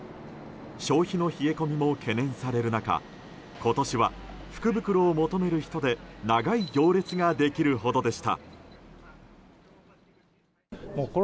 消費の冷え込みも懸念される中今年は福袋を求める人で長い行列ができるほどでした。